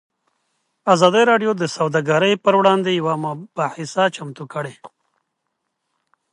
ازادي راډیو د سوداګري پر وړاندې یوه مباحثه چمتو کړې.